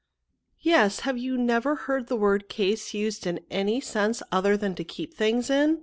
'Yes ; have you never heard the word case used in any sense other than to keep things in?